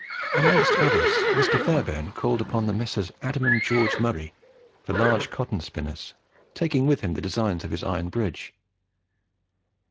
Amongst others, Mr. Fairbairn called upon the Messrs. Adam and George Murray, the large cotton spinners, taking with him the designs of his iron bridge.